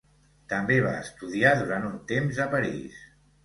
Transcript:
També va estudiar durant un temps a París.